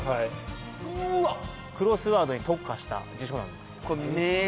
クロスワードに特化した辞書なんですよ